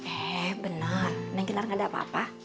eh benar neng kinar nggak ada apa apa